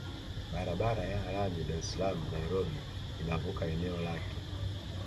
Barabara ya lami Dar es Salaam Nairobi inavuka eneo lake